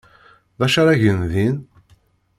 D acu ara gen din?